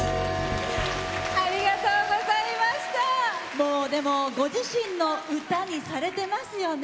もうでもご自身の歌にされてますよね。